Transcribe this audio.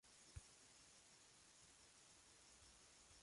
Son tóxicas y se tiene cierto nivel de certeza de que son carcinógenos humanos.